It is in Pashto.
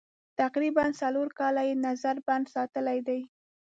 تقریباً څلور کاله یې نظر بند ساتلي دي.